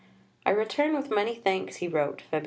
"I return with many thanks," he wrote (Feb.